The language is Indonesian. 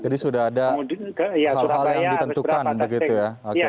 sudah ada hal hal yang ditentukan begitu ya